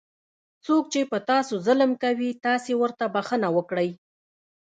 څوک چې په تاسو ظلم کوي تاسې ورته بښنه وکړئ.